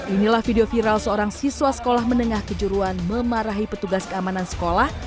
inilah video viral seorang siswa sekolah menengah kejuruan memarahi petugas keamanan sekolah